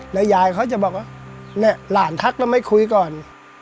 แล้วยายเขาจะบอกว่าเนี่ยหลานทักแล้วไม่คุยก่อน